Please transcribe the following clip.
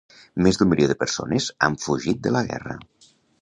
Més d'un milió de persones han fugit de la guerra.